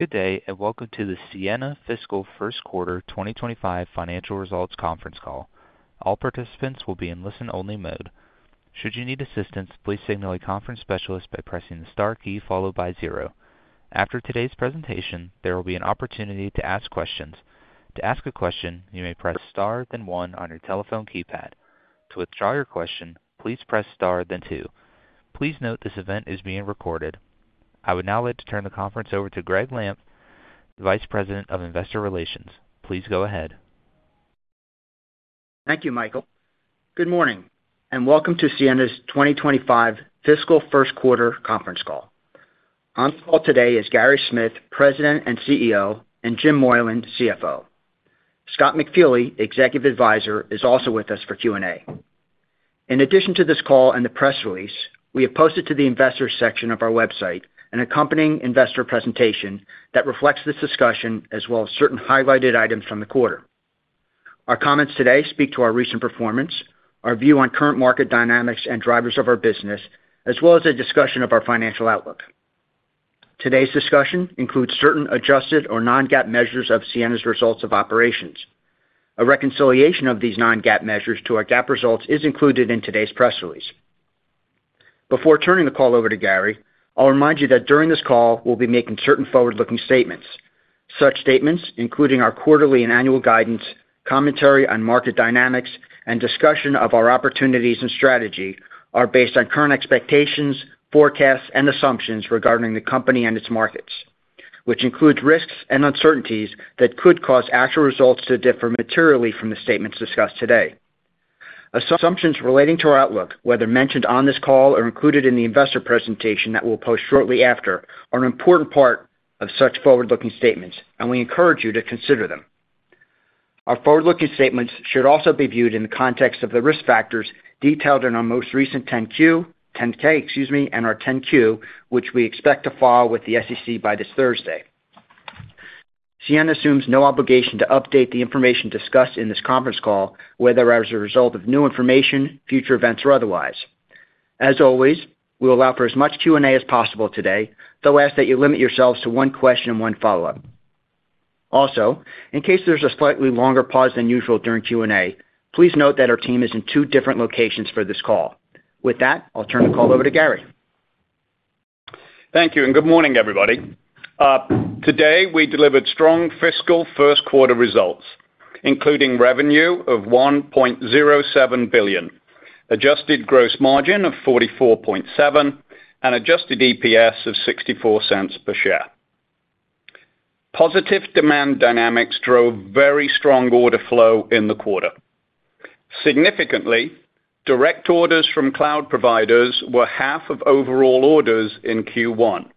Good day and welcome to the Ciena Fiscal First Quarter 2025 Financial Results Conference Call. All participants will be in listen-only mode. Should you need assistance, please signal a conference specialist by pressing the star key followed by zero. After today's presentation, there will be an opportunity to ask questions. To ask a question, you may press star then one on your telephone keypad. To withdraw your question, please press star then two. Please note this event is being recorded. I would now like to turn the conference over to Gregg Lampf, Vice President of Investor Relations. Please go ahead. Thank you, Michael. Good morning and welcome to Ciena's 2025 Fiscal First Quarter Conference Call. On the call today is Gary Smith, President and CEO, and Jim Moylan, CFO. Scott McFeely, Executive Advisor, is also with us for Q&A. In addition to this call and the press release, we have posted to the investors' section of our website an accompanying investor presentation that reflects this discussion as well as certain highlighted items from the quarter. Our comments today speak to our recent performance, our view on current market dynamics and drivers of our business, as well as a discussion of our financial outlook. Today's discussion includes certain adjusted or non-GAAP measures of Ciena's results of operations. A reconciliation of these non-GAAP measures to our GAAP results is included in today's press release. Before turning the call over to Gary, I'll remind you that during this call, we'll be making certain forward-looking statements. Such statements, including our quarterly and annual guidance, commentary on market dynamics, and discussion of our opportunities and strategy, are based on current expectations, forecasts, and assumptions regarding the company and its markets, which includes risks and uncertainties that could cause actual results to differ materially from the statements discussed today. Assumptions relating to our outlook, whether mentioned on this call or included in the investor presentation that we'll post shortly after, are an important part of such forward-looking statements, and we encourage you to consider them. Our forward-looking statements should also be viewed in the context of the risk factors detailed in our most recent 10-K, excuse me, and our 10-Q, which we expect to file with the SEC by this Thursday. Ciena assumes no obligation to update the information discussed in this conference call, whether as a result of new information, future events, or otherwise. As always, we'll allow for as much Q&A as possible today, though ask that you limit yourselves to one question and one follow-up. Also, in case there's a slightly longer pause than usual during Q&A, please note that our team is in two different locations for this call. With that, I'll turn the call over to Gary. Thank you and good morning, everybody. Today, we delivered strong fiscal first quarter results, including revenue of $1.07 billion, adjusted gross margin of 44.7%, and adjusted EPS of $0.64 per share. Positive demand dynamics drove very strong order flow in the quarter. Significantly, direct orders from cloud providers were half of overall orders in Q1,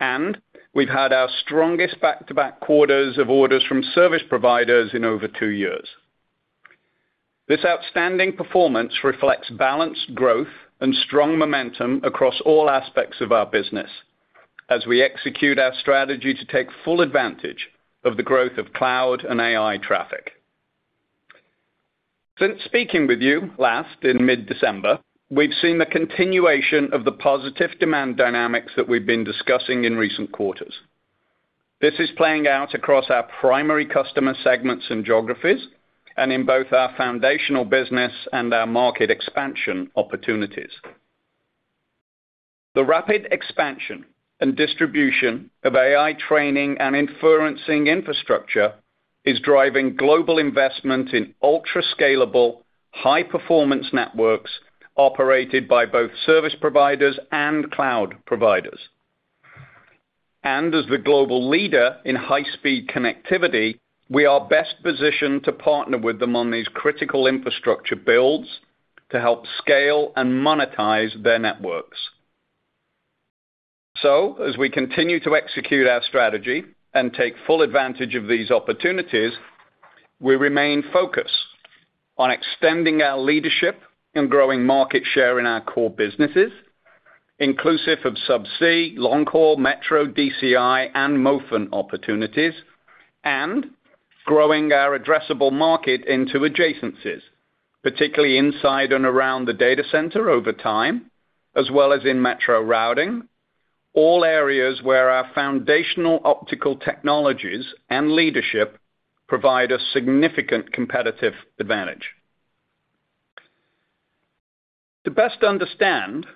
and we've had our strongest back-to-back quarters of orders from service providers in over two years. This outstanding performance reflects balanced growth and strong momentum across all aspects of our business as we execute our strategy to take full advantage of the growth of cloud and AI traffic. Since speaking with you last in mid-December, we've seen the continuation of the positive demand dynamics that we've been discussing in recent quarters. This is playing out across our primary customer segments and geographies and in both our foundational business and our market expansion opportunities. The rapid expansion and distribution of AI training and inferencing infrastructure is driving global investment in ultra-scalable, high-performance networks operated by both service providers and cloud providers. As the global leader in high-speed connectivity, we are best positioned to partner with them on these critical infrastructure builds to help scale and monetize their networks. As we continue to execute our strategy and take full advantage of these opportunities, we remain focused on extending our leadership and growing market share in our core businesses, inclusive of subsea, long-haul, Metro, DCI, and MOFN opportunities, and growing our addressable market into adjacencies, particularly inside and around the data center over time, as well as in metro routing, all areas where our foundational optical technologies and leadership provide a significant competitive advantage. To best understand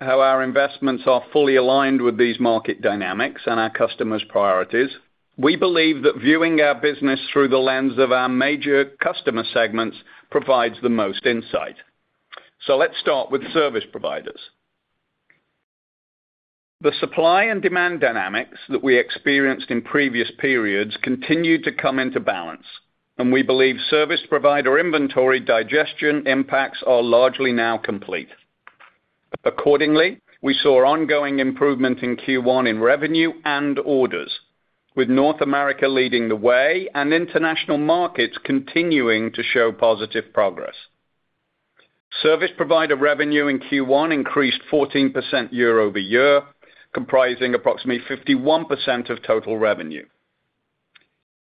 how our investments are fully aligned with these market dynamics and our customers' priorities, we believe that viewing our business through the lens of our major customer segments provides the most insight. Let's start with service providers. The supply and demand dynamics that we experienced in previous periods continue to come into balance, and we believe service provider inventory digestion impacts are largely now complete. Accordingly, we saw ongoing improvement in Q1 in revenue and orders, with North America leading the way and international markets continuing to show positive progress. Service provider revenue in Q1 increased 14% year-over-year, comprising approximately 51% of total revenue.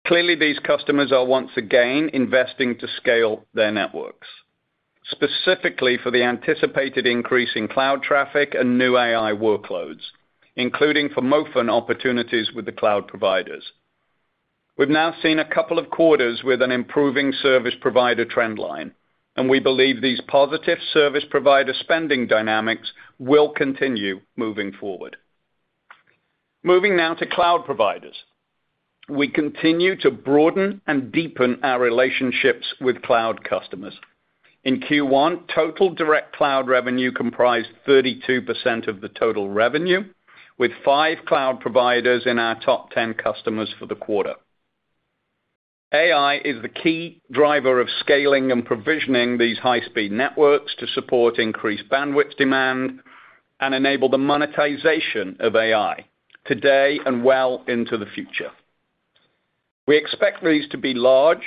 Clearly, these customers are once again investing to scale their networks, specifically for the anticipated increase in cloud traffic and new AI workloads, including for MOFN opportunities with the cloud providers. We've now seen a couple of quarters with an improving service provider trendline, and we believe these positive service provider spending dynamics will continue moving forward. Moving now to cloud providers. We continue to broaden and deepen our relationships with cloud customers. In Q1, total direct cloud revenue comprised 32% of the total revenue, with five cloud providers in our top 10 customers for the quarter. AI is the key driver of scaling and provisioning these high-speed networks to support increased bandwidth demand and enable the monetization of AI today and well into the future. We expect these to be large,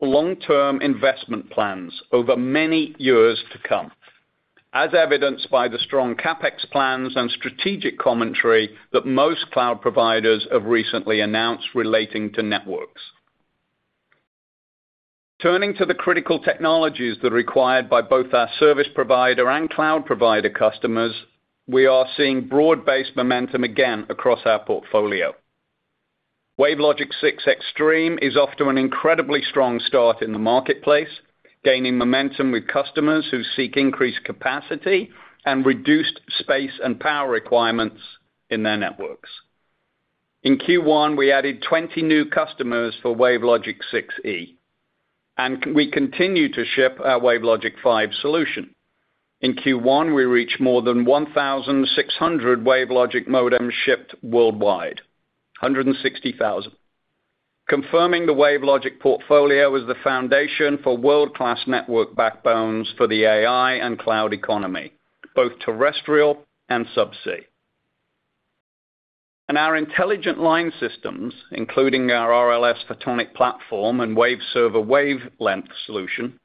long-term investment plans over many years to come, as evidenced by the strong CapEx plans and strategic commentary that most cloud providers have recently announced relating to networks. Turning to the critical technologies that are required by both our service provider and cloud provider customers, we are seeing broad-based momentum again across our portfolio. WaveLogic 6 Extreme is off to an incredibly strong start in the marketplace, gaining momentum with customers who seek increased capacity and reduced space and power requirements in their networks. In Q1, we added 20 new customers for WaveLogic 6E, and we continue to ship our WaveLogic 5 solution. In Q1, we reached more than 1,600 WaveLogic modems shipped worldwide, 160,000, confirming the WaveLogic portfolio as the foundation for world-class network backbones for the AI and cloud economy, both terrestrial and subsea. Our intelligent line systems, including our RLS Photonic platform and Waveserver Wavelength solution,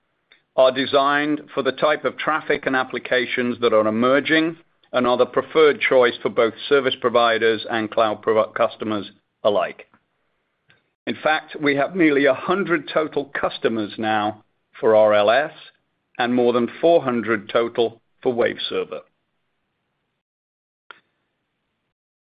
are designed for the type of traffic and applications that are emerging and are the preferred choice for both service providers and cloud customers alike. In fact, we have nearly 100 total customers now for RLS and more than 400 total for Waveserver.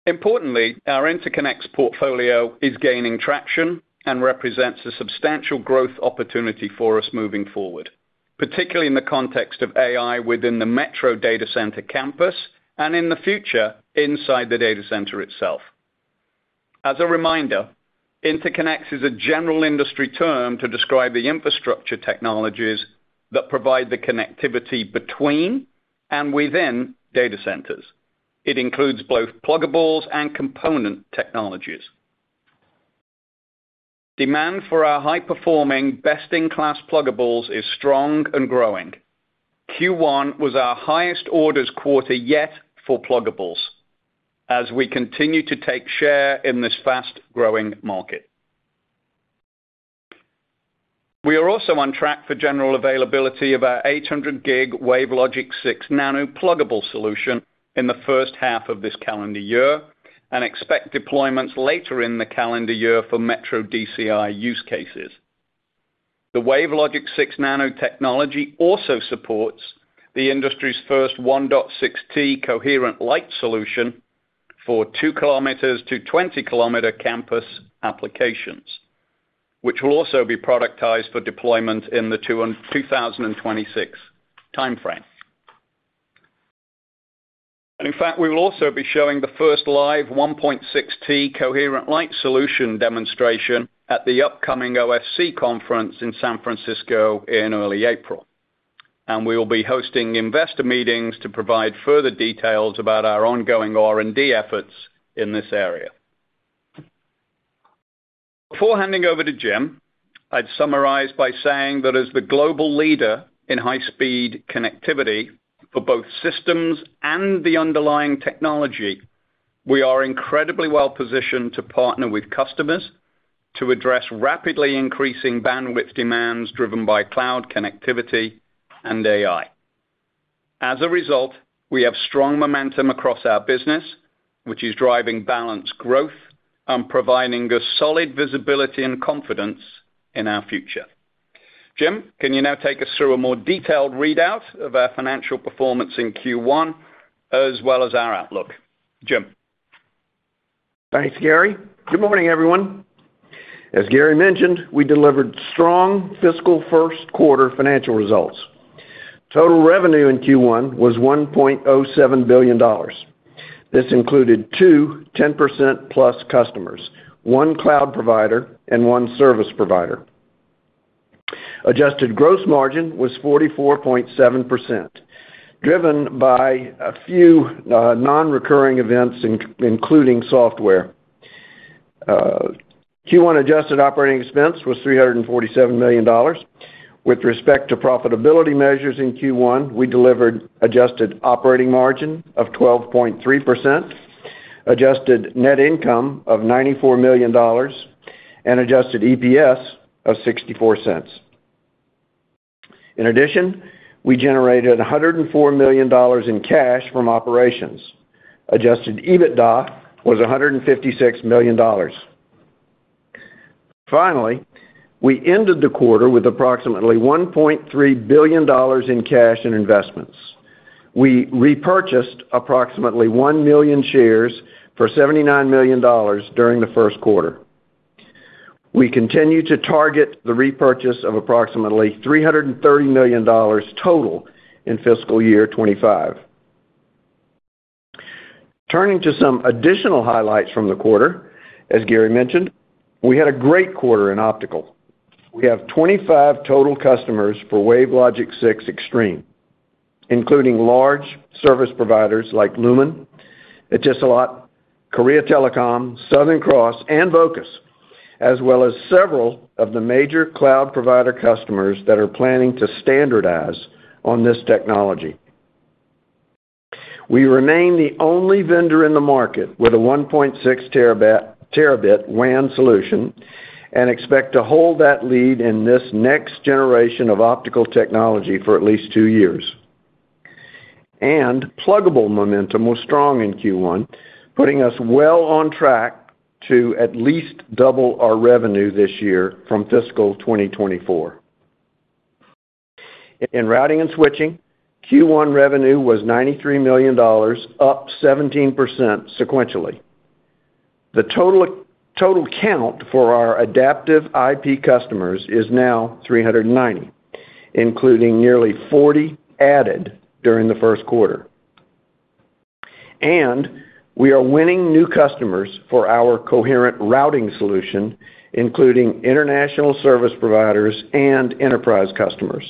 Importantly, our interconnects portfolio is gaining traction and represents a substantial growth opportunity for us moving forward, particularly in the context of AI within the metro data center campus and in the future inside the data center itself. As a reminder, interconnects is a general industry term to describe the infrastructure technologies that provide the connectivity between and within data centers. It includes both pluggables and component technologies. Demand for our high-performing, best-in-class pluggables is strong and growing. Q1 was our highest orders quarter yet for pluggables as we continue to take share in this fast-growing market. We are also on track for general availability of our 800 Gb WaveLogic 6 Nano pluggable solution in the first half of this calendar year and expect deployments later in the calendar year for Metro DCI use cases. The WaveLogic 6 Nano technology also supports the industry's first 1.6T Coherent-Lite solution for 2 km-20 km campus applications, which will also be productized for deployment in the 2026 timeframe. In fact, we will also be showing the first live 1.6T Coherent-Lite solution demonstration at the upcoming OFC conference in San Francisco in early April, and we will be hosting investor meetings to provide further details about our ongoing R&D efforts in this area. Before handing over to Jim, I'd summarize by saying that as the global leader in high-speed connectivity for both systems and the underlying technology, we are incredibly well-positioned to partner with customers to address rapidly increasing bandwidth demands driven by cloud connectivity and AI. As a result, we have strong momentum across our business, which is driving balanced growth and providing us solid visibility and confidence in our future. Jim, can you now take us through a more detailed readout of our financial performance in Q1 as well as our outlook? Jim. Thanks, Gary. Good morning, everyone. As Gary mentioned, we delivered strong fiscal first quarter financial results. Total revenue in Q1 was $1.07 billion. This included two 10% plus customers, one cloud provider, and one service provider. Adjusted gross margin was 44.7%, driven by a few non-recurring events, including software. Q1 adjusted operating expense was $347 million. With respect to profitability measures in Q1, we delivered adjusted operating margin of 12.3%, adjusted net income of $94 million, and adjusted EPS of $0.64. In addition, we generated $104 million in cash from operations. Adjusted EBITDA was $156 million. Finally, we ended the quarter with approximately $1.3 billion in cash and investments. We repurchased approximately 1 million shares for $79 million during the first quarter. We continue to target the repurchase of approximately $330 million total in fiscal year 2025. Turning to some additional highlights from the quarter, as Gary mentioned, we had a great quarter in optical. We have 25 total customers for WaveLogic 6 Extreme, including large service providers like Lumen, Etisalat, Korea Telecom, Southern Cross, and Vocus, as well as several of the major cloud provider customers that are planning to standardize on this technology. We remain the only vendor in the market with a 1.6 Tb WAN solution and expect to hold that lead in this next generation of optical technology for at least two years. Pluggable Momentum was strong in Q1, putting us well on track to at least double our revenue this year from fiscal 2024. In routing and switching, Q1 revenue was $93 million, up 17% sequentially. The total count for our Adaptive IP customers is now 390, including nearly 40 added during the first quarter. We are winning new customers for our coherent routing solution, including international service providers and enterprise customers.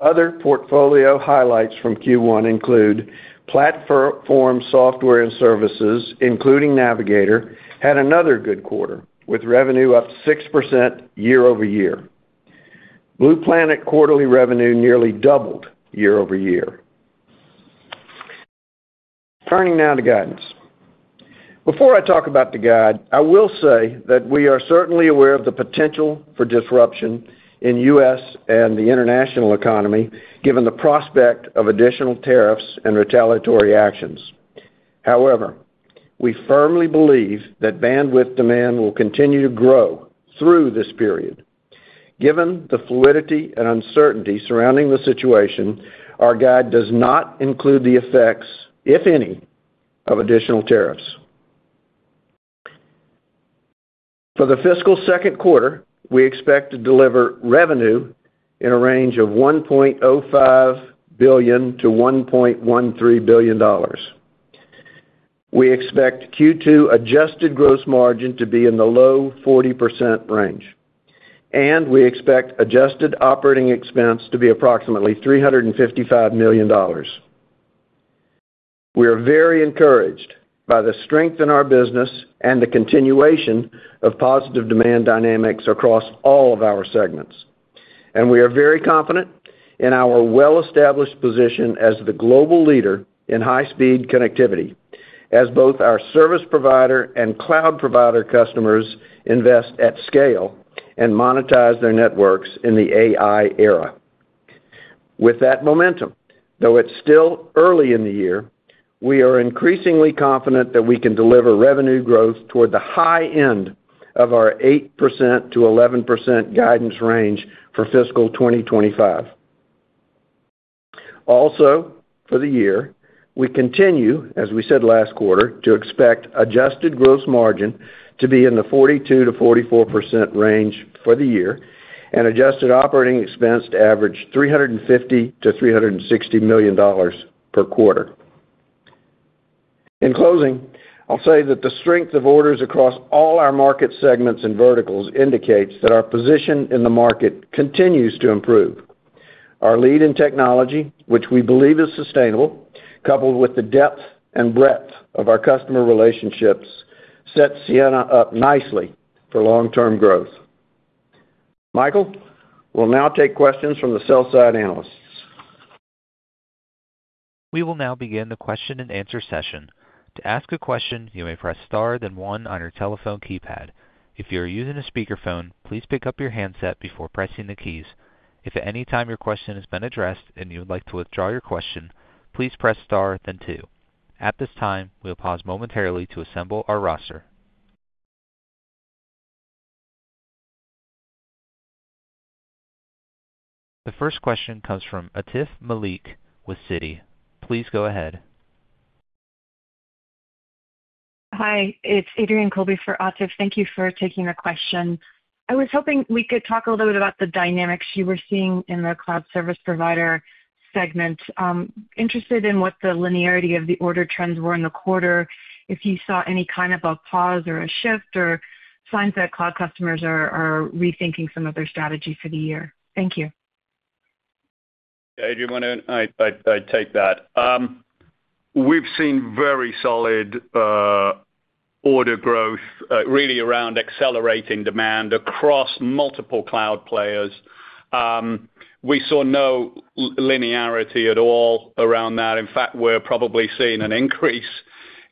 Other portfolio highlights from Q1 include Platform Software and Services, including Navigator, had another good quarter with revenue up 6% year-over-year. Blue Planet quarterly revenue nearly doubled year-over-year. Turning now to guidance. Before I talk about the guide, I will say that we are certainly aware of the potential for disruption in the U.S. and the international economy, given the prospect of additional tariffs and retaliatory actions. However, we firmly believe that bandwidth demand will continue to grow through this period. Given the fluidity and uncertainty surrounding the situation, our guide does not include the effects, if any, of additional tariffs. For the fiscal second quarter, we expect to deliver revenue in a range of $1.05 billion-$1.13 billion. We expect Q2 adjusted gross margin to be in the low 40% range, and we expect adjusted operating expense to be approximately $355 million. We are very encouraged by the strength in our business and the continuation of positive demand dynamics across all of our segments. We are very confident in our well-established position as the global leader in high-speed connectivity, as both our service provider and cloud provider customers invest at scale and monetize their networks in the AI era. With that momentum, though it's still early in the year, we are increasingly confident that we can deliver revenue growth toward the high end of our 8%-11% guidance range for fiscal 2025. Also, for the year, we continue, as we said last quarter, to expect adjusted gross margin to be in the 42%-44% range for the year and adjusted operating expense to average $350 million-$360 million per quarter. In closing, I'll say that the strength of orders across all our market segments and verticals indicates that our position in the market continues to improve. Our lead in technology, which we believe is sustainable, coupled with the depth and breadth of our customer relationships, sets Ciena up nicely for long-term growth. Michael, we'll now take questions from the sell-side analysts. We will now begin the question-and-answer session. To ask a question, you may press star then one on your telephone keypad. If you are using a speakerphone, please pick up your handset before pressing the keys. If at any time your question has been addressed and you would like to withdraw your question, please press star then two. At this time, we'll pause momentarily to assemble our roster. The first question comes from Atif Malik with Citi. Please go ahead. Hi, it's Adrienne Colby for Atif. Thank you for taking the question. I was hoping we could talk a little bit about the dynamics you were seeing in the cloud service provider segment. Interested in what the linearity of the order trends were in the quarter, if you saw any kind of a pause or a shift or signs that cloud customers are rethinking some of their strategy for the year. Thank you. I take that. We've seen very solid order growth, really around accelerating demand across multiple cloud players. We saw no linearity at all around that. In fact, we're probably seeing an increase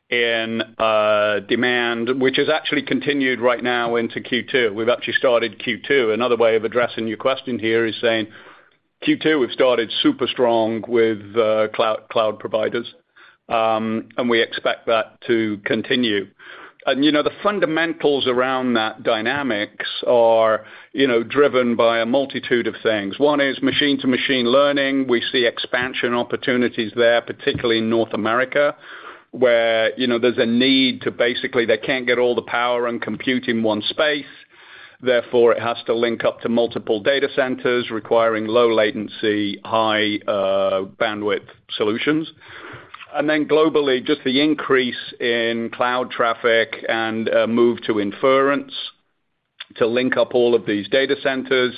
in demand, which has actually continued right now into Q2. We've actually started Q2. Another way of addressing your question here is saying Q2, we've started super strong with cloud providers, and we expect that to continue. The fundamentals around that dynamic are driven by a multitude of things. One is machine-to-machine learning. We see expansion opportunities there, particularly in North America, where there's a need to basically they can't get all the power and compute in one space. Therefore, it has to link up to multiple data centers requiring low-latency, high-bandwidth solutions. Globally, just the increase in cloud traffic and a move to inference to link up all of these data centers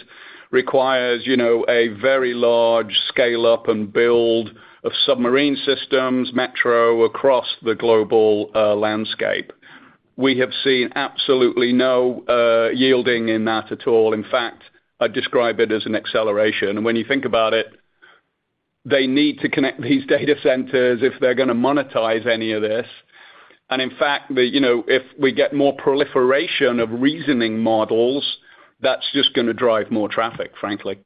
requires a very large scale-up and build of submarine systems, metro across the global landscape. We have seen absolutely no yielding in that at all. In fact, I describe it as an acceleration. When you think about it, they need to connect these data centers if they're going to monetize any of this. In fact, if we get more proliferation of reasoning models, that's just going to drive more traffic, frankly.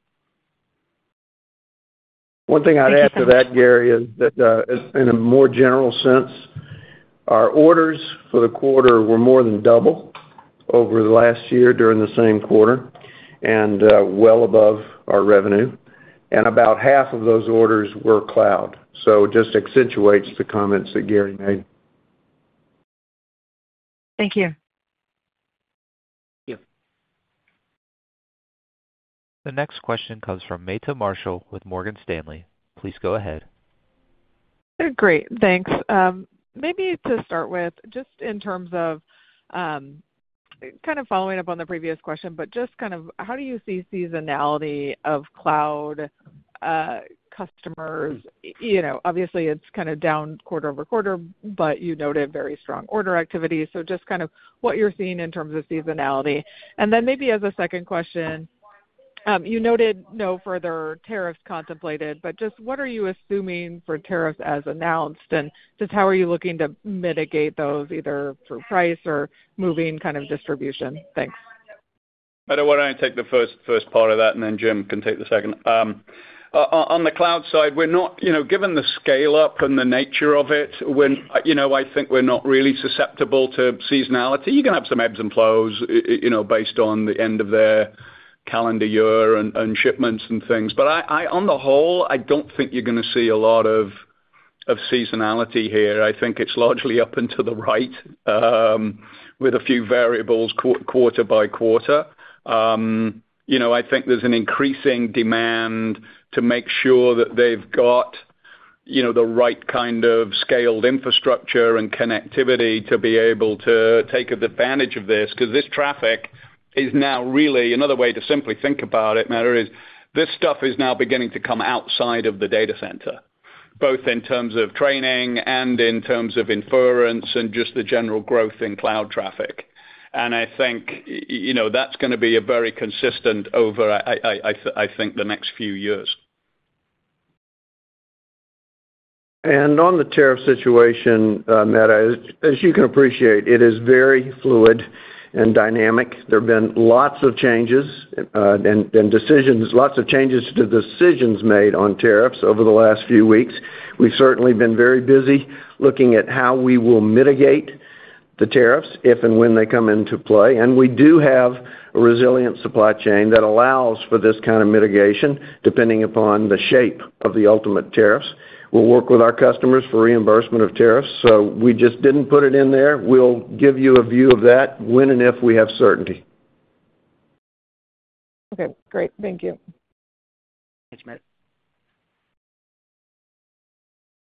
One thing I'd add to that, Gary, is that in a more general sense, our orders for the quarter were more than double over the last year during the same quarter and well above our revenue. About half of those orders were cloud. It just accentuates the comments that Gary made. Thank you. Thank you. The next question comes from Meta Marshall with Morgan Stanley. Please go ahead. Great. Thanks. Maybe to start with, just in terms of kind of following up on the previous question, but just kind of how do you see seasonality of cloud customers? Obviously, it's kind of down quarter-over-quarter, but you noted very strong order activity. Just kind of what you're seeing in terms of seasonality. Maybe as a second question, you noted no further tariffs contemplated, but just what are you assuming for tariffs as announced? Just how are you looking to mitigate those, either through price or moving kind of distribution? Thanks. Meta, I want to take the first part of that, and then Jim can take the second. On the cloud side, given the scale-up and the nature of it, I think we're not really susceptible to seasonality. You can have some ebbs and flows based on the end of their calendar year and shipments and things. On the whole, I don't think you're going to see a lot of seasonality here. I think it's largely up and to the right with a few variables quarter by quarter. I think there's an increasing demand to make sure that they've got the right kind of scaled infrastructure and connectivity to be able to take advantage of this. Because this traffic is now really another way to simply think about it, Meta is this stuff is now beginning to come outside of the data center, both in terms of training and in terms of inference and just the general growth in cloud traffic. I think that's going to be very consistent over, I think, the next few years. On the tariff situation, Meta, as you can appreciate, it is very fluid and dynamic. There have been lots of changes and decisions, lots of changes to decisions made on tariffs over the last few weeks. We've certainly been very busy looking at how we will mitigate the tariffs if and when they come into play. We do have a resilient supply chain that allows for this kind of mitigation, depending upon the shape of the ultimate tariffs. We'll work with our customers for reimbursement of tariffs. We just didn't put it in there. We'll give you a view of that when and if we have certainty. Okay. Great. Thank you. Thanks, Meta.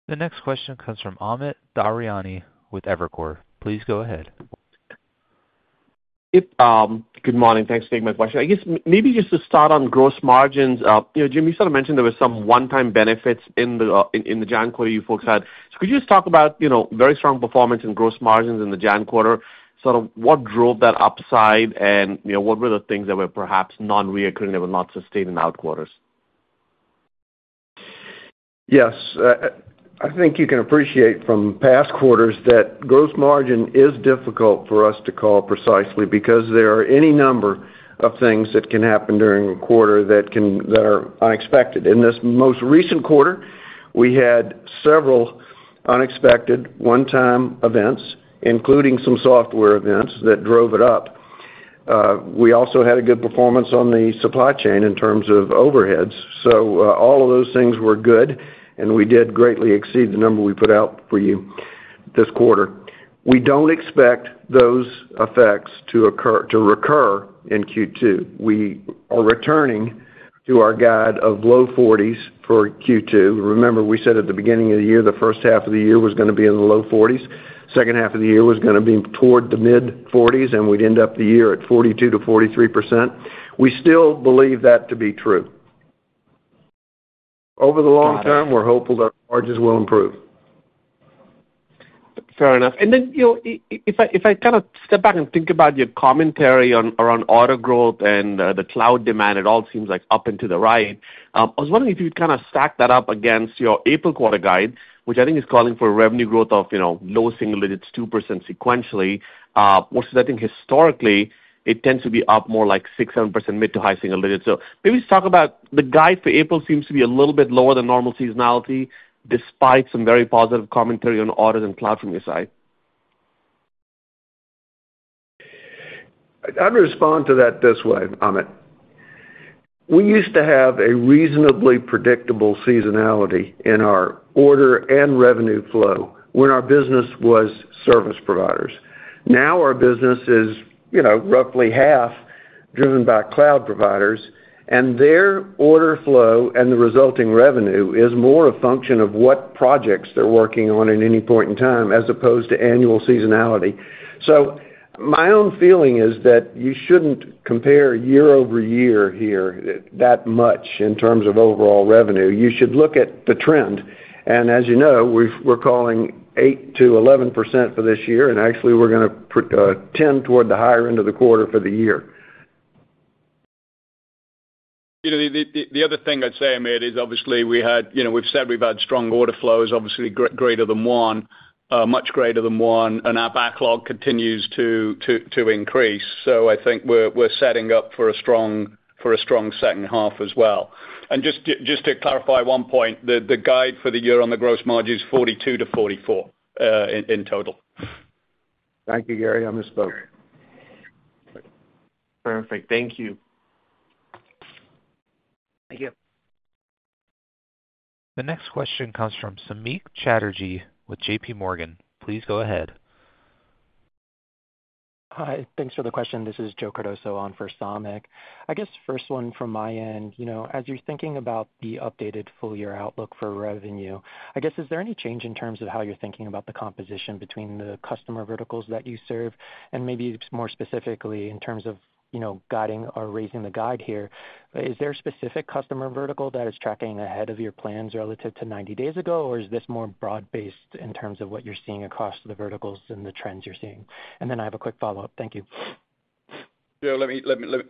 The next question comes from Amit Daryanani with Evercore. Please go ahead. Good morning. Thanks for taking my question. I guess maybe just to start on gross margins, Jim, you sort of mentioned there were some one-time benefits in the January quarter you folks had. Could you just talk about very strong performance in gross margins in the January quarter? Sort of what drove that upside and what were the things that were perhaps non-reoccurring that were not sustained in outquarters? Yes. I think you can appreciate from past quarters that gross margin is difficult for us to call precisely because there are any number of things that can happen during a quarter that are unexpected. In this most recent quarter, we had several unexpected one-time events, including some software events that drove it up. We also had a good performance on the supply chain in terms of overheads. All of those things were good, and we did greatly exceed the number we put out for you this quarter. We do not expect those effects to recur in Q2. We are returning to our guide of low 40s for Q2. Remember, we said at the beginning of the year, the first half of the year was going to be in the low 40s. The second half of the year was going to be toward the mid-40s, and we'd end up the year at 42%-43%. We still believe that to be true. Over the long term, we're hopeful that our margins will improve. Fair enough. If I kind of step back and think about your commentary around order growth and the cloud demand, it all seems like up and to the right. I was wondering if you'd kind of stack that up against your April quarter guide, which I think is calling for revenue growth of low single digits, 2% sequentially, versus I think historically it tends to be up more like 6%-7% mid to high single digits. Maybe let's talk about the guide for April. It seems to be a little bit lower than normal seasonality despite some very positive commentary on orders and cloud from your side. I'd respond to that this way, Amit. We used to have a reasonably predictable seasonality in our order and revenue flow when our business was service providers. Now our business is roughly half driven by cloud providers, and their order flow and the resulting revenue is more a function of what projects they're working on at any point in time as opposed to annual seasonality. My own feeling is that you shouldn't compare year-over-year here that much in terms of overall revenue. You should look at the trend. As you know, we're calling 8%-11% for this year, and actually we're going to tend toward the higher end of the quarter for the year. The other thing I'd say, Amit, is obviously we've said we've had strong order flows, obviously greater than one, much greater than one, and our backlog continues to increase. I think we're setting up for a strong second half as well. Just to clarify one point, the guide for the year on the gross margin is 42%-44% in total. Thank you, Gary. I misspoke. Perfect. Thank you. Thank you. The next question comes from Samik Chatterjee with JPMorgan. Please go ahead. Hi. Thanks for the question. This is Joe Cardoso on for Samik. I guess first one from my end. As you're thinking about the updated full-year outlook for revenue, I guess is there any change in terms of how you're thinking about the composition between the customer verticals that you serve and maybe more specifically in terms of guiding or raising the guide here? Is there a specific customer vertical that is tracking ahead of your plans relative to 90 days ago, or is this more broad-based in terms of what you're seeing across the verticals and the trends you're seeing? I have a quick follow-up. Thank you. Yeah. Let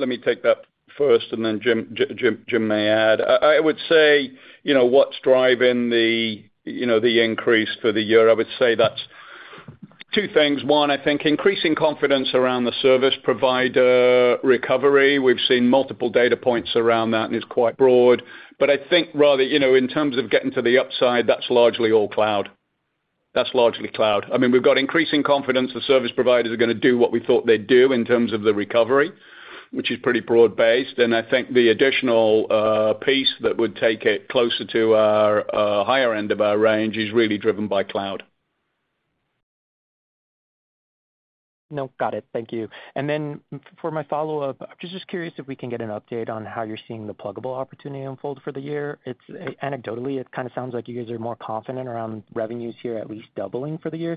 me take that first, and then Jim may add. I would say what's driving the increase for the year, I would say that's two things. One, I think increasing confidence around the service provider recovery. We've seen multiple data points around that, and it's quite broad. I think rather in terms of getting to the upside, that's largely all cloud. That's largely cloud. I mean, we've got increasing confidence the service providers are going to do what we thought they'd do in terms of the recovery, which is pretty broad-based. I think the additional piece that would take it closer to our higher end of our range is really driven by cloud. No, got it. Thank you. For my follow-up, I'm just curious if we can get an update on how you're seeing the pluggable opportunity unfold for the year. Anecdotally, it kind of sounds like you guys are more confident around revenues here at least doubling for the year.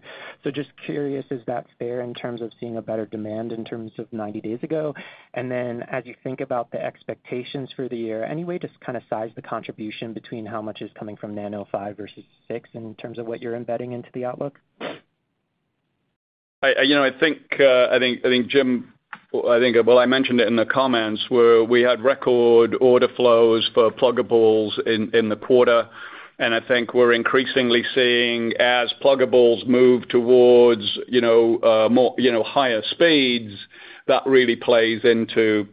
Just curious, is that fair in terms of seeing a better demand in terms of 90 days ago? As you think about the expectations for the year, any way to kind of size the contribution between how much is coming from Nano 5 versus 6 in terms of what you're embedding into the outlook? I think, Jim, I think, I mentioned it in the comments, where we had record order flows for pluggables in the quarter. I think we're increasingly seeing as pluggables move towards higher speeds, that really plays into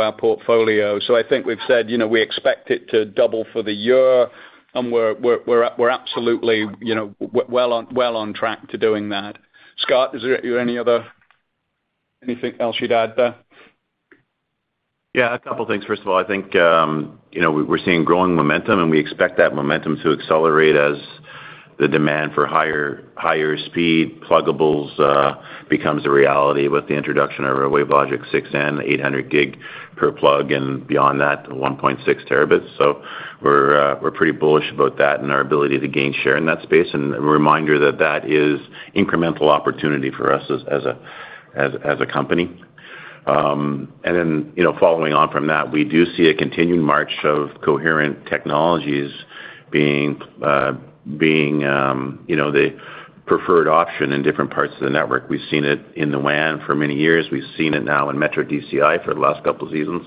our portfolio. I think we've said we expect it to double for the year, and we're absolutely well on track to doing that. Scott, is there anything else you'd add there? Yeah. A couple of things. First of all, I think we're seeing growing momentum, and we expect that momentum to accelerate as the demand for higher speed pluggables becomes a reality with the introduction of our WaveLogic 6n 800 Gb per plug, and beyond that, 1.6 Tb. We're pretty bullish about that and our ability to gain share in that space. A reminder that that is incremental opportunity for us as a company. Following on from that, we do see a continued march of coherent technologies being the preferred option in different parts of the network. We've seen it in the WAN for many years. We've seen it now in Metro DCI for the last couple of seasons.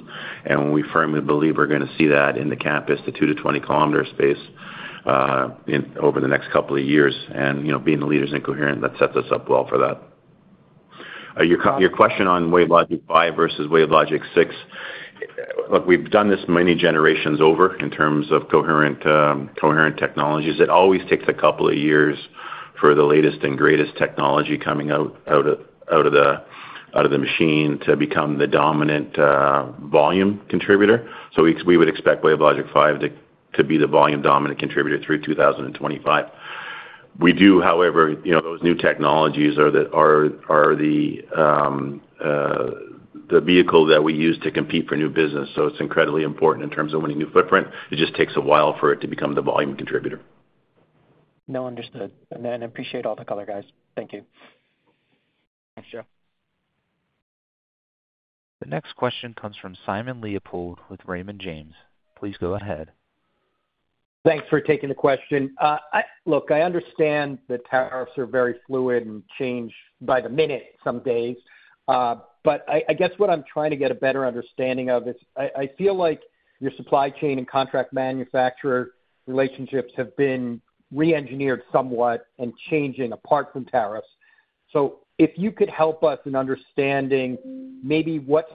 We firmly believe we're going to see that in the campus, the 2 km-20 km space over the next couple of years. Being the leaders in coherent, that sets us up well for that. Your question on WaveLogic 5 versus WaveLogic 6, look, we've done this many generations over in terms of coherent technologies. It always takes a couple of years for the latest and greatest technology coming out of the machine to become the dominant volume contributor. We would expect WaveLogic 5 to be the volume dominant contributor through 2025. We do, however, those new technologies are the vehicle that we use to compete for new business. It is incredibly important in terms of winning new footprint. It just takes a while for it to become the volume contributor. No, understood. I appreciate all the color, guys. Thank you. Thanks, Joe. The next question comes from Simon Leopold with Raymond James. Please go ahead. Thanks for taking the question. Look, I understand that tariffs are very fluid and change by the minute some days. I guess what I'm trying to get a better understanding of is I feel like your supply chain and contract manufacturer relationships have been re-engineered somewhat and changing apart from tariffs. If you could help us in understanding maybe what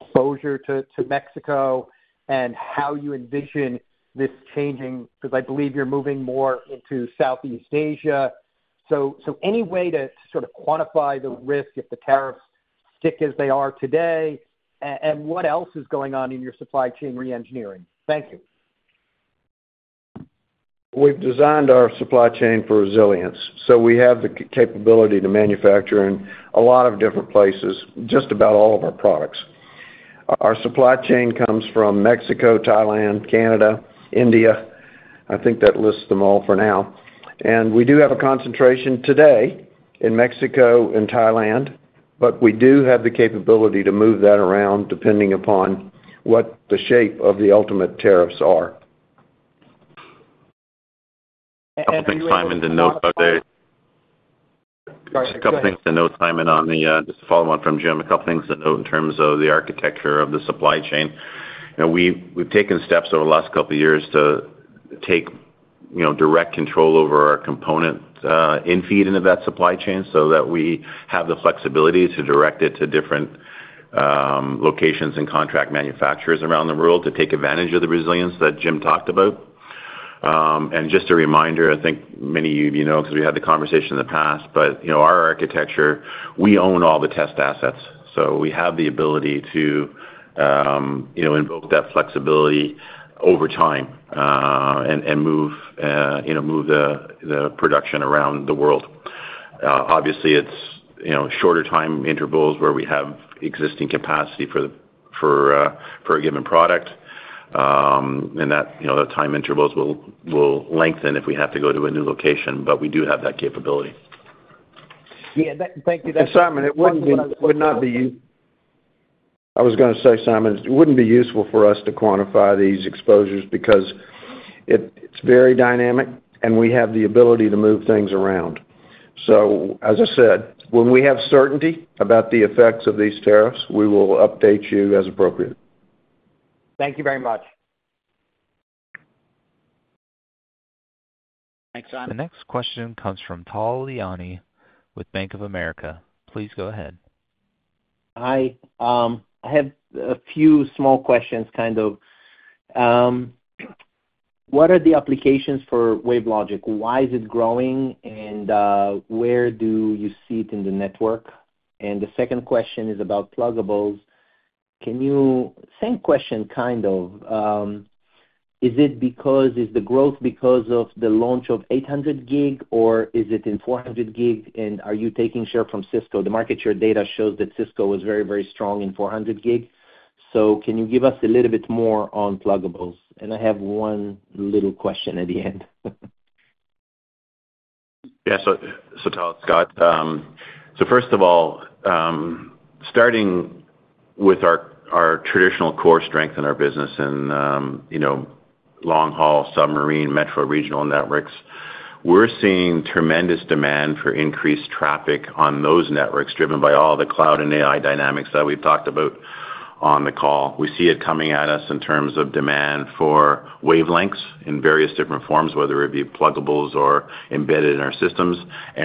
exposure to Mexico and how you envision this changing, because I believe you're moving more into Southeast Asia. Any way to sort of quantify the risk if the tariffs stick as they are today, and what else is going on in your supply chain re-engineering? Thank you. We've designed our supply chain for resilience. We have the capability to manufacture in a lot of different places, just about all of our products. Our supply chain comes from Mexico, Thailand, Canada, India. I think that lists them all for now. We do have a concentration today in Mexico and Thailand, but we do have the capability to move that around depending upon what the shape of the ultimate tariffs are. A couple of things to note, Simon, just a follow-up from Jim. A couple of things to note in terms of the architecture of the supply chain. We've taken steps over the last couple of years to take direct control over our component in-feed into that supply chain so that we have the flexibility to direct it to different locations and contract manufacturers around the world to take advantage of the resilience that Jim talked about. Just a reminder, I think many of you know because we had the conversation in the past, but our architecture, we own all the test assets. We have the ability to invoke that flexibility over time and move the production around the world. Obviously, it's shorter time intervals where we have existing capacity for a given product, and that time intervals will lengthen if we have to go to a new location, but we do have that capability. Yeah. Thank you. Simon, it wouldn't be, I was going to say, Simon, it wouldn't be useful for us to quantify these exposures because it's very dynamic, and we have the ability to move things around. As I said, when we have certainty about the effects of these tariffs, we will update you as appropriate. Thank you very much. Thanks, Simon. The next question comes from Tal Liani with Bank of America. Please go ahead. Hi. I have a few small questions kind of. What are the applications for WaveLogic? Why is it growing, and where do you see it in the network? The second question is about pluggables. Same question kind of. Is the growth because of the launch of 800 Gb, or is it in 400 Gb, and are you taking share from Cisco? The market share data shows that Cisco was very, very strong in 400 Gb. Can you give us a little bit more on pluggables? I have one little question at the end. Yeah. So, Tal, Scott. First of all, starting with our traditional core strength in our business in long-haul, submarine, metro regional networks, we're seeing tremendous demand for increased traffic on those networks driven by all the cloud and AI dynamics that we've talked about on the call. We see it coming at us in terms of demand for wavelengths in various different forms, whether it be pluggables or embedded in our systems.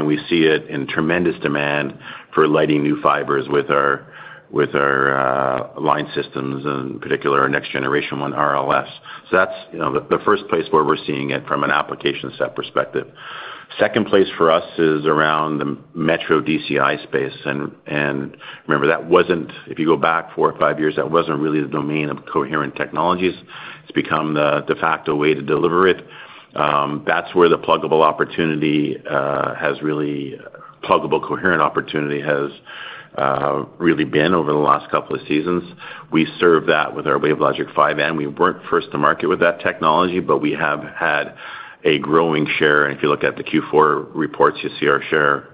We see it in tremendous demand for lighting new fibers with our line systems, in particular our next generation one, RLS. That's the first place where we're seeing it from an application set perspective. The second place for us is around the Metro DCI space. Remember, if you go back four or five years, that wasn't really the domain of coherent technologies. It's become the de facto way to deliver it. That's where the pluggable opportunity, the pluggable coherent opportunity, has really been over the last couple of seasons. We serve that with our WaveLogic 5n. We weren't first to market with that technology, but we have had a growing share. If you look at the Q4 reports, you see our share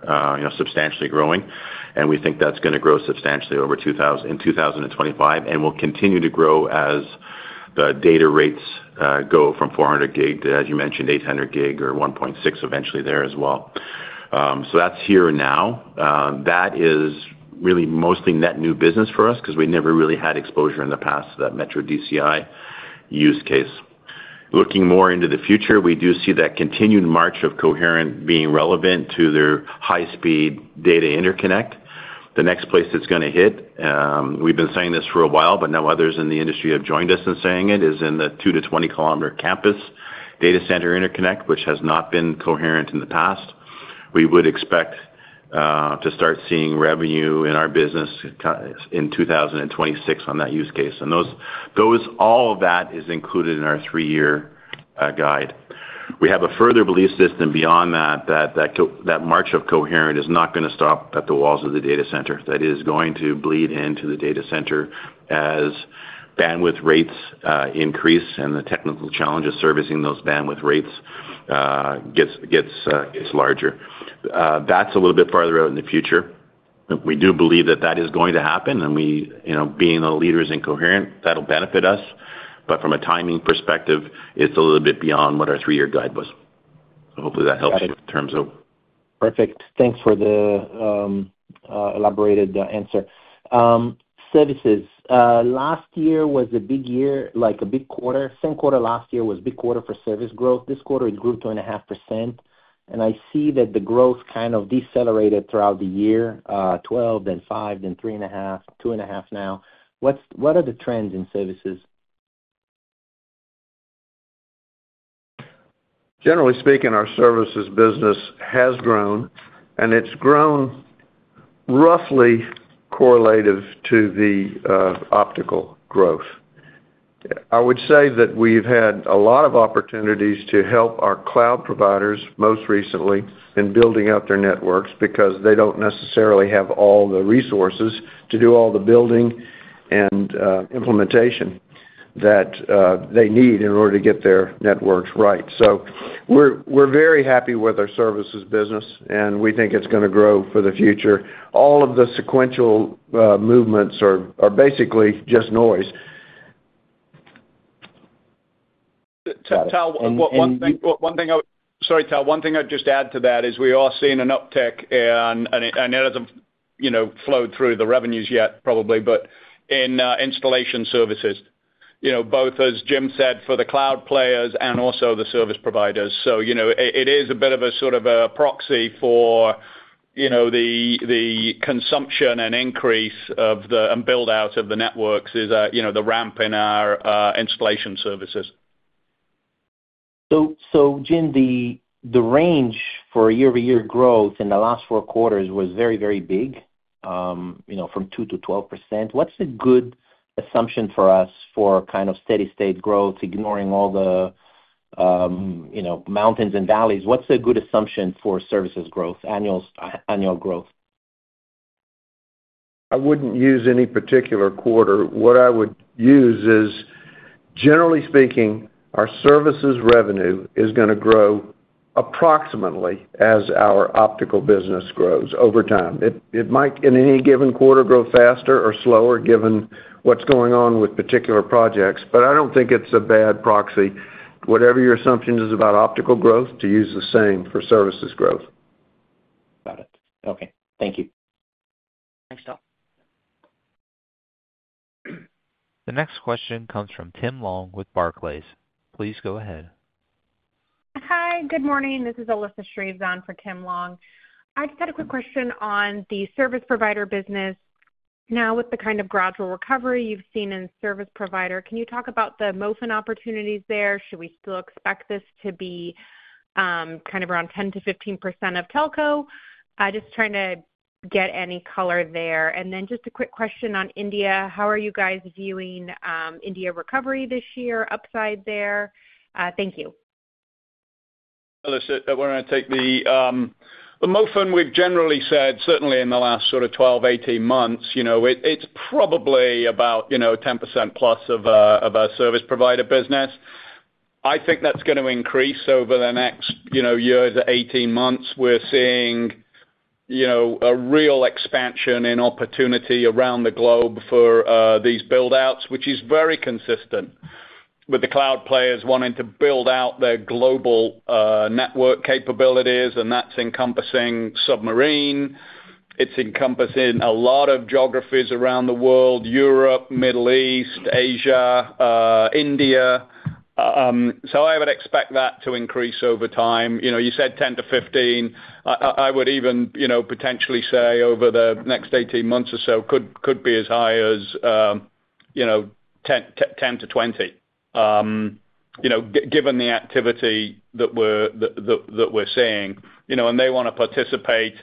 substantially growing. We think that's going to grow substantially in 2025 and will continue to grow as the data rates go from 400 Gb to, as you mentioned, 800 Gb or 1.6 eventually there as well. That is here now. That is really mostly net new business for us because we never really had exposure in the past to that Metro DCI use case. Looking more into the future, we do see that continued march of coherent being relevant to their high-speed data interconnect. The next place it's going to hit, we've been saying this for a while, but now others in the industry have joined us in saying it, is in the 2 km-20 km campus data center interconnect, which has not been coherent in the past. We would expect to start seeing revenue in our business in 2026 on that use case. All of that is included in our three-year guide. We have a further belief system beyond that that march of coherent is not going to stop at the walls of the data center. That is going to bleed into the data center as bandwidth rates increase and the technical challenge of servicing those bandwidth rates gets larger. That's a little bit farther out in the future. We do believe that that is going to happen. Being the leaders in coherent, that'll benefit us. From a timing perspective, it's a little bit beyond what our three-year guide was. Hopefully that helps you in terms of. Perfect. Thanks for the elaborated answer. Services. Last year was a big year, like a big quarter. Same quarter last year was a big quarter for service growth. This quarter, it grew 2.5%. And I see that the growth kind of decelerated throughout the year, 12, then 5, then 3.5, 2.5 now. What are the trends in services? Generally speaking, our services business has grown, and it's grown roughly correlative to the optical growth. I would say that we've had a lot of opportunities to help our cloud providers most recently in building out their networks because they don't necessarily have all the resources to do all the building and implementation that they need in order to get their networks right. We are very happy with our services business, and we think it's going to grow for the future. All of the sequential movements are basically just noise. Tal, one thing I would, sorry, Tal, one thing I'd just add to that is we are seeing an uptick, and it hasn't flowed through the revenues yet probably, but in installation services, both as Jim said, for the cloud players and also the service providers. It is a bit of a sort of a proxy for the consumption and increase and buildout of the networks is the ramp in our installation services. Jim, the range for year-over-year growth in the last four quarters was very, very big from 2% to 12%. What's a good assumption for us for kind of steady-state growth, ignoring all the mountains and valleys? What's a good assumption for services growth, annual growth? I wouldn't use any particular quarter. What I would use is, generally speaking, our services revenue is going to grow approximately as our optical business grows over time. It might, in any given quarter, grow faster or slower given what's going on with particular projects. I don't think it's a bad proxy. Whatever your assumption is about optical growth, to use the same for services growth. Got it. Okay. Thank you. Thanks, Tal. The next question comes from Tim Long with Barclays. Please go ahead. Hi, good morning. This is Alyssa Shreves for Tim Long. I just had a quick question on the service provider business. Now, with the kind of gradual recovery you've seen in service provider, can you talk about the MOFN opportunities there? Should we still expect this to be kind of around 10%-15% of Telco? Just trying to get any color there. Just a quick question on India. How are you guys viewing India recovery this year, upside there? Thank you. Alyssa, I want to take the MOFN. We've generally said, certainly in the last sort of 12 months-18 months, it's probably about 10% plus of our service provider business. I think that's going to increase over the next year to 18 months. We're seeing a real expansion in opportunity around the globe for these buildouts, which is very consistent with the cloud players wanting to build out their global network capabilities, and that's encompassing submarine. It's encompassing a lot of geographies around the world: Europe, Middle East, Asia, India. I would expect that to increase over time. You said 10-15. I would even potentially say over the next 18 months or so could be as high as 10-20, given the activity that we're seeing. They want to participate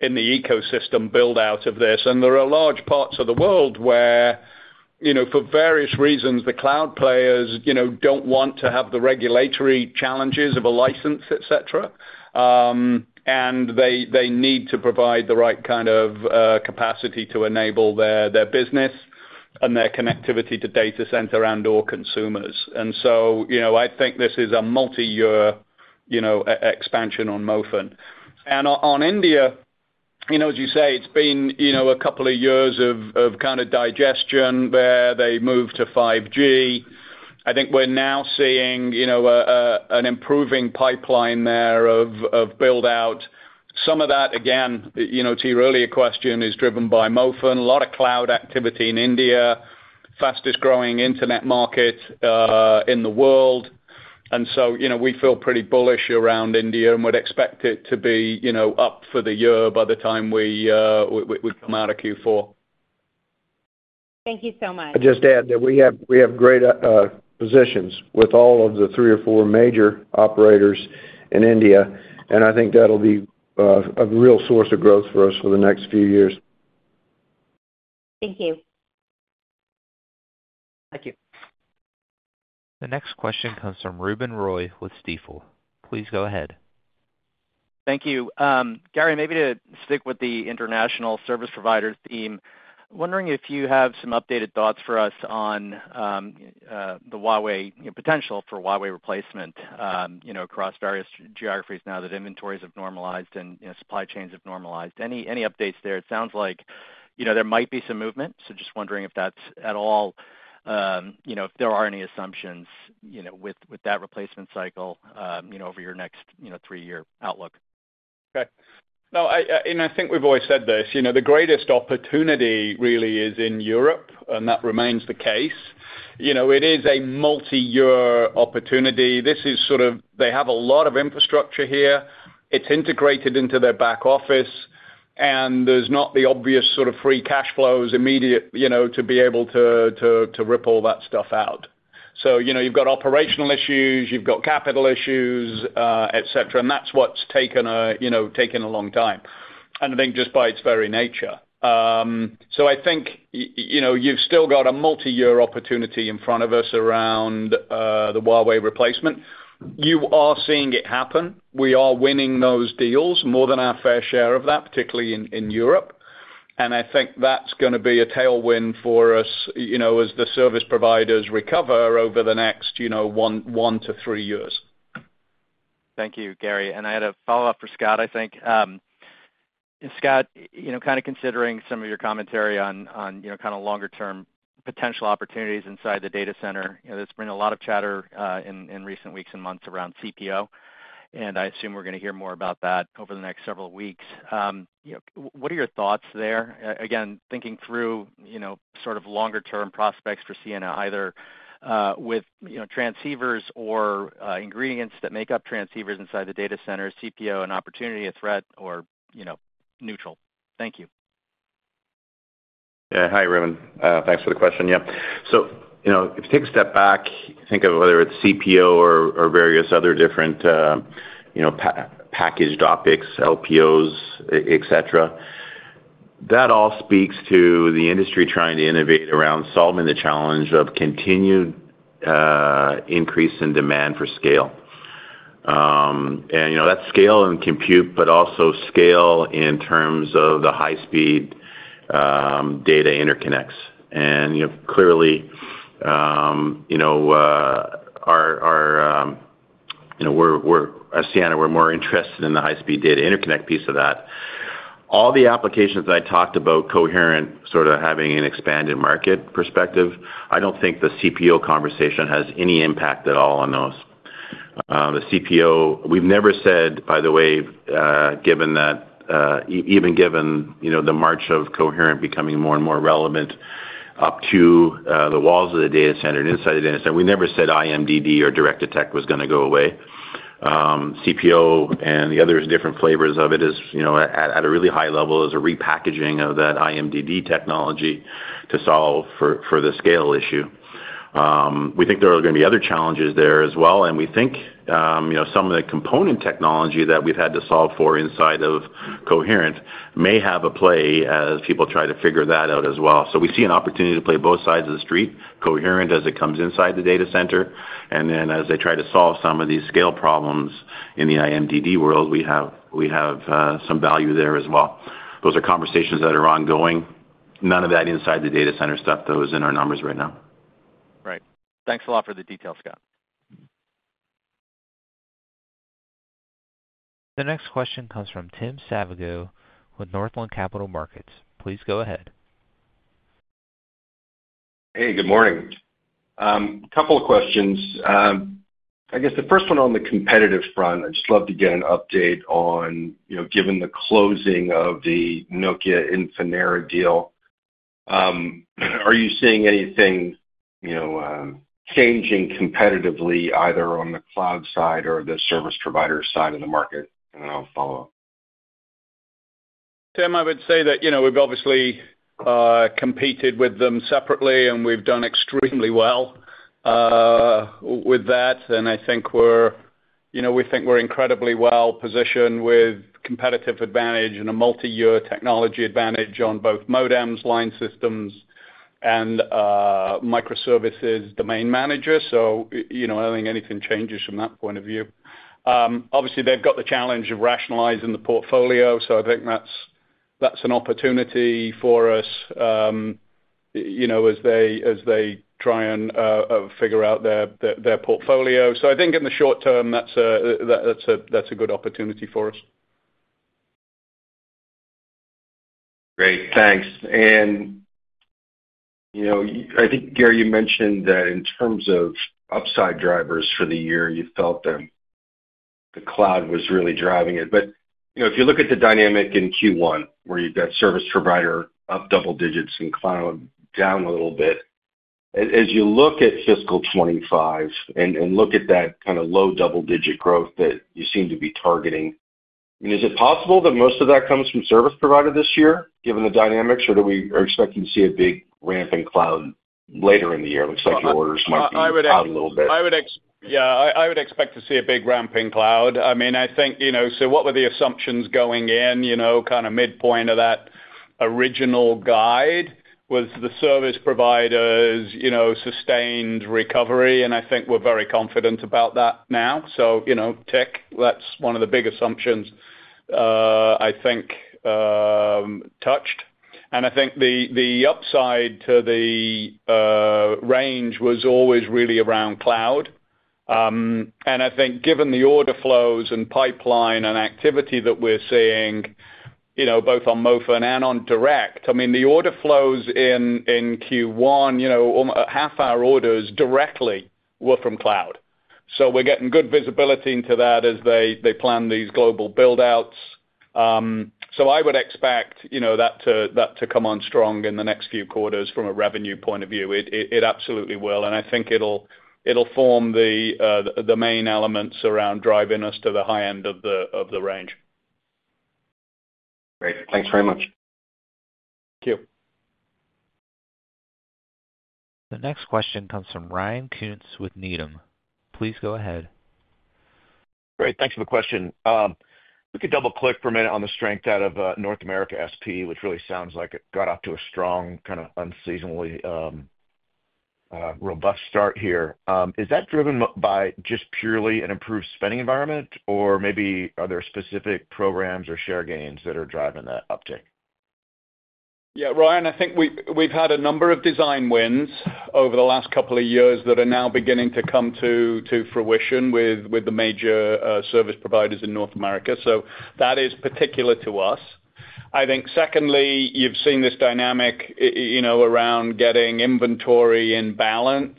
in the ecosystem buildout of this. There are large parts of the world where, for various reasons, the cloud players do not want to have the regulatory challenges of a license, etc. They need to provide the right kind of capacity to enable their business and their connectivity to data center and/or consumers. I think this is a multi-year expansion on MOFN. On India, as you say, it has been a couple of years of kind of digestion where they moved to 5G. I think we are now seeing an improving pipeline there of buildout. Some of that, again, to your earlier question, is driven by MOFN. A lot of cloud activity in India, fastest growing internet market in the world. We feel pretty bullish around India and would expect it to be up for the year by the time we come out of Q4. Thank you so much. I just add that we have great positions with all of the three or four major operators in India. I think that'll be a real source of growth for us for the next few years. Thank you. Thank you. The next question comes from Ruben Roy with Stifel. Please go ahead. Thank you. Gary, maybe to stick with the international service provider theme, wondering if you have some updated thoughts for us on the Huawei potential for Huawei replacement across various geographies now that inventories have normalized and supply chains have normalized. Any updates there? It sounds like there might be some movement, so just wondering if that's at all, if there are any assumptions with that replacement cycle over your next three-year outlook. Okay. I think we've always said this. The greatest opportunity really is in Europe, and that remains the case. It is a multi-year opportunity. This is sort of they have a lot of infrastructure here. It's integrated into their back office, and there's not the obvious sort of free cash flows immediate to be able to ripple that stuff out. You've got operational issues, you've got capital issues, etc. That's what's taken a long time, I think, just by its very nature. I think you've still got a multi-year opportunity in front of us around the Huawei replacement. You are seeing it happen. We are winning those deals more than our fair share of that, particularly in Europe. I think that's going to be a tailwind for us as the service providers recover over the next one to three years. Thank you, Gary. I had a follow-up for Scott, I think. Scott, kind of considering some of your commentary on kind of longer-term potential opportunities inside the data center, there's been a lot of chatter in recent weeks and months around CPO. I assume we're going to hear more about that over the next several weeks. What are your thoughts there? Again, thinking through sort of longer-term prospects for Ciena, either with transceivers or ingredients that make up transceivers inside the data center, CPO, an opportunity, a threat, or neutral. Thank you. Yeah. Hi, Ruben. Thanks for the question. Yeah. If you take a step back, think of whether it's CPO or various other different packaged optics, LPOs, etc., that all speaks to the industry trying to innovate around solving the challenge of continued increase in demand for scale. That's scale in compute, but also scale in terms of the high-speed data interconnects. Clearly, as Ciena, we're more interested in the high-speed data interconnect piece of that. All the applications that I talked about, coherent, sort of having an expanded market perspective, I don't think the CPO conversation has any impact at all on those. The CPO, we've never said, by the way, even given the march of coherent becoming more and more relevant up to the walls of the data center and inside the data center, we never said IMDD or DirectDetect was going to go away. CPO and the other different flavors of it is at a really high level is a repackaging of that IMDD technology to solve for the scale issue. We think there are going to be other challenges there as well. We think some of the component technology that we've had to solve for inside of coherent may have a play as people try to figure that out as well. We see an opportunity to play both sides of the street, coherent as it comes inside the data center. As they try to solve some of these scale problems in the IMDD world, we have some value there as well. Those are conversations that are ongoing. None of that inside the data center stuff, though, is in our numbers right now. Right. Thanks a lot for the detail, Scott. The next question comes from Tim Savageaux with Northland Capital Markets. Please go ahead. Hey, good morning. A couple of questions. I guess the first one on the competitive front, I'd just love to get an update on, given the closing of the Nokia Infinera deal, are you seeing anything changing competitively either on the cloud side or the service provider side of the market? I'll follow up. Tim, I would say that we've obviously competed with them separately, and we've done extremely well with that. I think we think we're incredibly well positioned with competitive advantage and a multi-year technology advantage on both modems, line systems, and microservices domain managers. I don't think anything changes from that point of view. Obviously, they've got the challenge of rationalizing the portfolio, I think that's an opportunity for us as they try and figure out their portfolio. I think in the short term, that's a good opportunity for us. Great. Thanks. I think, Gary, you mentioned that in terms of upside drivers for the year, you felt that the cloud was really driving it. If you look at the dynamic in Q1, where you've got service provider up double digits and cloud down a little bit, as you look at fiscal 2025 and look at that kind of low double-digit growth that you seem to be targeting, I mean, is it possible that most of that comes from service provider this year, given the dynamics, or do we expect to see a big ramp in cloud later in the year? It looks like your orders might be out a little bit. Yeah. I would expect to see a big ramp in cloud. I mean, I think so what were the assumptions going in, kind of midpoint of that original guide? Was the service providers sustained recovery? I think we're very confident about that now. So tech, that's one of the big assumptions, I think, touched. I think the upside to the range was always really around cloud. I think given the order flows and pipeline and activity that we're seeing both on MOFN and on Direct, I mean, the order flows in Q1, half our orders directly were from cloud. We're getting good visibility into that as they plan these global buildouts. I would expect that to come on strong in the next few quarters from a revenue point of view. It absolutely will. I think it'll form the main elements around driving us to the high end of the range. Great. Thanks very much. Thank you. The next question comes from Ryan Koontz with Needham. Please go ahead. Great. Thanks for the question. We could double-click for a minute on the strength out of North America SP, which really sounds like it got off to a strong, kind of unseasonably robust start here. Is that driven by just purely an improved spending environment, or maybe are there specific programs or share gains that are driving that uptick? Yeah, Ryan, I think we've had a number of design wins over the last couple of years that are now beginning to come to fruition with the major service providers in North America. That is particular to us. I think secondly, you've seen this dynamic around getting inventory in balance.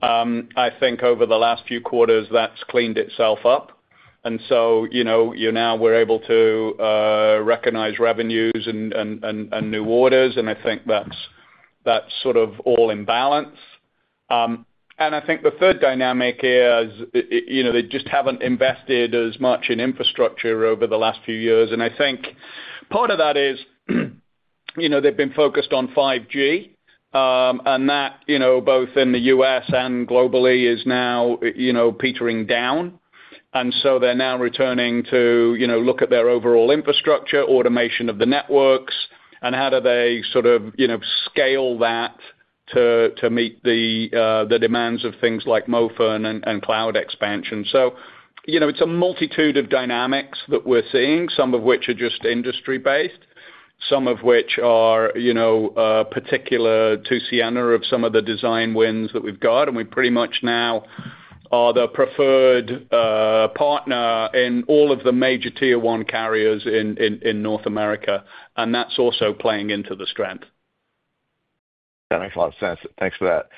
I think over the last few quarters, that's cleaned itself up. Now we're able to recognize revenues and new orders. I think that's sort of all in balance. I think the third dynamic is they just haven't invested as much in infrastructure over the last few years. I think part of that is they've been focused on 5G, and that both in the U.S. and globally is now petering down. They're now returning to look at their overall infrastructure, automation of the networks, and how do they sort of scale that to meet the demands of things like MOFN and cloud expansion. It's a multitude of dynamics that we're seeing, some of which are just industry-based, some of which are particular to Ciena of some of the design wins that we've got. We pretty much now are the preferred partner in all of the major Tier 1 carriers in North America. That's also playing into the strength. That makes a lot of sense. Thanks for that.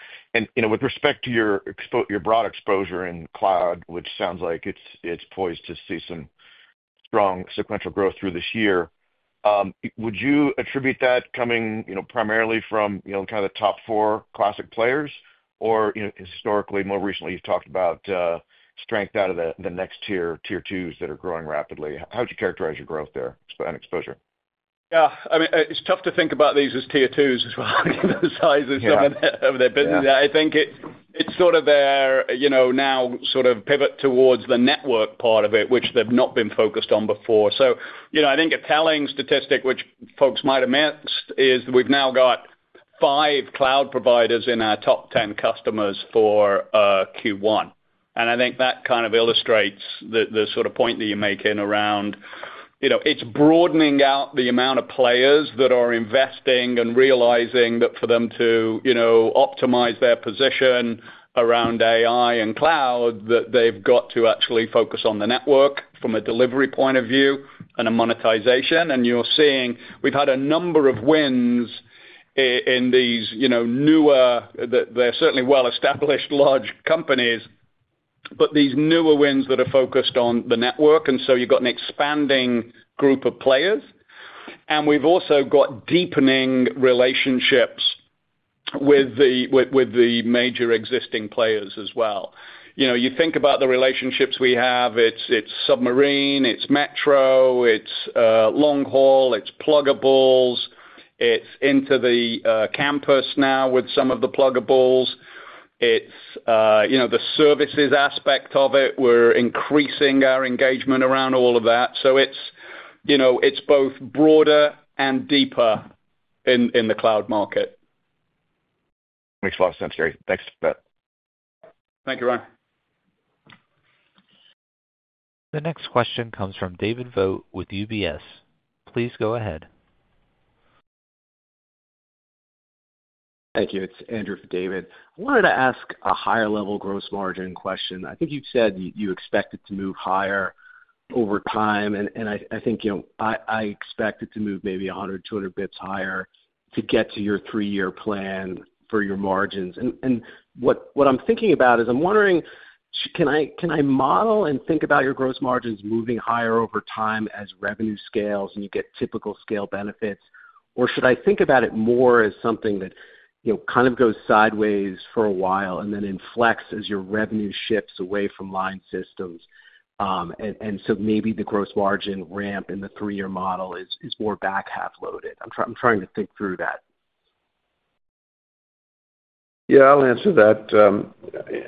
With respect to your broad exposure in cloud, which sounds like it's poised to see some strong sequential growth through this year, would you attribute that coming primarily from kind of the top four classic players? Or historically, more recently, you've talked about strength out of the next Tier 2s that are growing rapidly. How would you characterize your growth there and exposure? Yeah. I mean, it's tough to think about these as tier twos as well. The size of their business, I think it's sort of their now sort of pivot towards the network part of it, which they've not been focused on before. I think a telling statistic, which folks might have missed, is that we've now got five cloud providers in our top 10 customers for Q1. I think that kind of illustrates the sort of point that you're making around it's broadening out the amount of players that are investing and realizing that for them to optimize their position around AI and cloud, that they've got to actually focus on the network from a delivery point of view and a monetization. We've had a number of wins in these newer—they're certainly well-established large companies—but these newer wins that are focused on the network. You have got an expanding group of players. We have also got deepening relationships with the major existing players as well. You think about the relationships we have, it is submarine, it is metro, it is long haul, it is pluggables, it is into the campus now with some of the pluggables, it is the services aspect of it. We are increasing our engagement around all of that. It is both broader and deeper in the cloud market. Makes a lot of sense, Gary. Thanks for that. Thank you, Ryan. The next question comes from David Vogt with UBS. Please go ahead. Thank you. It's Andrew for David. I wanted to ask a higher-level gross margin question. I think you've said you expect it to move higher over time. I think I expect it to move maybe 100, 200 basis points higher to get to your three-year plan for your margins. What I'm thinking about is I'm wondering, can I model and think about your gross margins moving higher over time as revenue scales and you get typical scale benefits, or should I think about it more as something that kind of goes sideways for a while and then inflects as your revenue shifts away from line systems? Maybe the gross margin ramp in the three-year model is more back half loaded. I'm trying to think through that. Yeah, I'll answer that.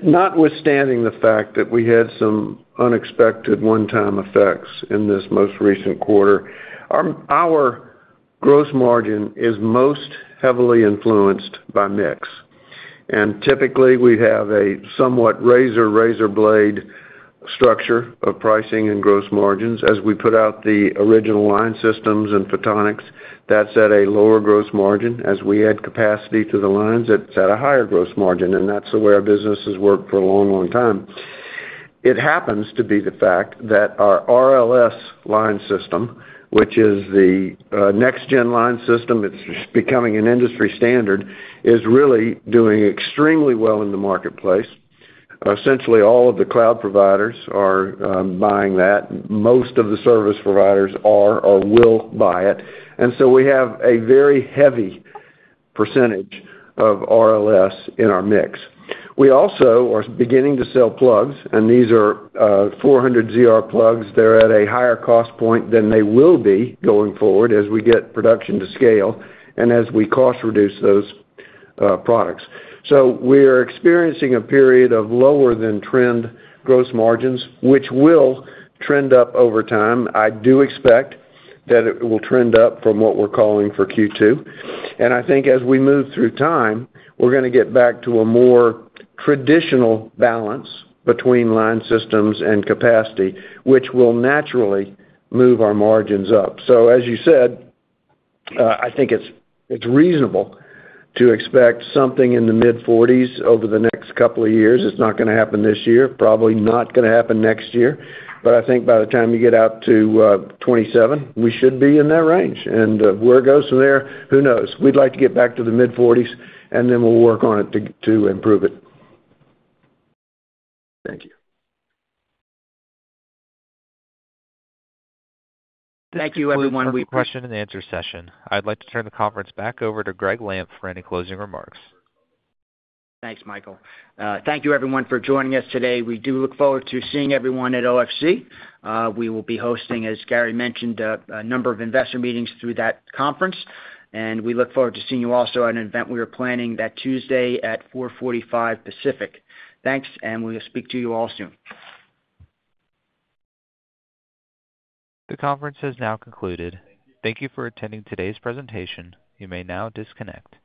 Notwithstanding the fact that we had some unexpected one-time effects in this most recent quarter, our gross margin is most heavily influenced by mix. Typically, we have a somewhat razor razor blade structure of pricing and gross margins. As we put out the original line systems and photonics, that's at a lower gross margin. As we add capacity to the lines, it's at a higher gross margin. That's the way our business has worked for a long, long time. It happens to be the fact that our RLS line system, which is the next-gen line system, it's becoming an industry standard, is really doing extremely well in the marketplace. Essentially, all of the cloud providers are buying that. Most of the service providers are or will buy it. We have a very heavy percentage of RLS in our mix. We also are beginning to sell plugs, and these are 400ZR plugs. They're at a higher cost point than they will be going forward as we get production to scale and as we cost reduce those products. We are experiencing a period of lower-than-trend gross margins, which will trend up over time. I do expect that it will trend up from what we're calling for Q2. I think as we move through time, we're going to get back to a more traditional balance between line systems and capacity, which will naturally move our margins up. As you said, I think it's reasonable to expect something in the mid-40% over the next couple of years. It's not going to happen this year, probably not going to happen next year. I think by the time you get out to 2027, we should be in that range. Where it goes from there, who knows? We'd like to get back to the mid-40s, and then we'll work on it to improve it. Thank you. Thank you, everyone. We conclude the question-and-answer session. I'd like to turn the conference back over to Gregg Lampf for any closing remarks. Thanks, Michael. Thank you, everyone, for joining us today. We do look forward to seeing everyone at OFC. We will be hosting, as Gary mentioned, a number of investor meetings through that conference. We look forward to seeing you also at an event we are planning that Tuesday at 4:45 P.M. Pacific. Thanks, and we'll speak to you all soon. The conference has now concluded. Thank you for attending today's presentation. You may now disconnect.